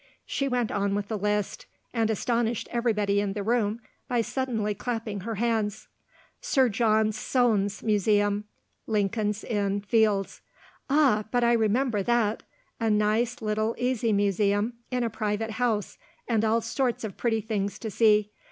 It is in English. She went on with the list and astonished everybody in the room by suddenly clapping her hands. Sir John Soane's Museum, Lincoln's Inn Fields. "Ah, but I remember that! A nice little easy museum in a private house, and all sorts of pretty things to see.